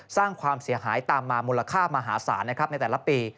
สร้างความเสียหายตามมามูลค่ามหาศาลนะครับในแต่ละปี